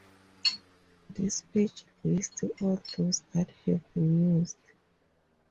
This page lists all those that have been used.